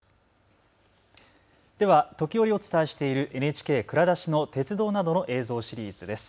では時折、お伝えしているＮＨＫ蔵出しの鉄道などの映像シリーズです。